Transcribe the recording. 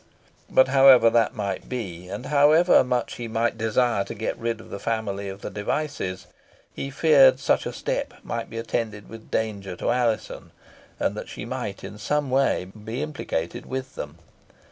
But however that might be, and however much he might desire to get rid of the family of the Devices, he feared such a step might be attended with danger to Alizon, and that she might in some way or other be implicated with them.